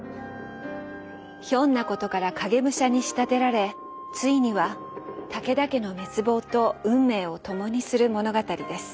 ひょんなことから影武者に仕立てられついには武田家の滅亡と運命を共にする物語です。